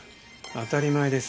当たり前です。